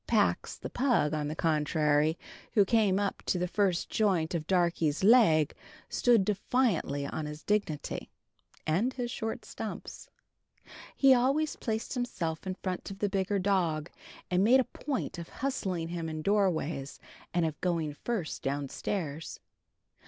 Pax, the pug, on the contrary, who came up to the first joint of Darkie's leg, stood defiantly on his dignity (and his short stumps). He always placed himself in front of the bigger dog, and made a point of hustling him in doorways and of going first downstairs.